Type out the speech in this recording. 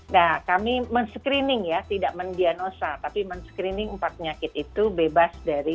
nah kami men screening ya tidak mendianosa tapi men screening empat penyakit itu bebas dari